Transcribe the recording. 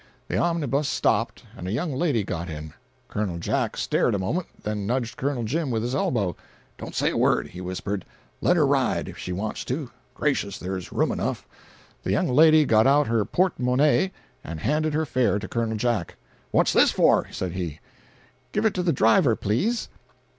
The omnibus stopped, and a young lady got in. Col. Jack stared a moment, then nudged Col. Jim with his elbow: "Don't say a word," he whispered. "Let her ride, if she wants to. Gracious, there's room enough." The young lady got out her porte monnaie, and handed her fare to Col. Jack. "What's this for?" said he. "Give it to the driver, please."